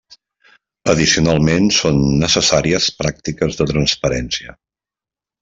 Addicionalment són necessàries pràctiques de transparència.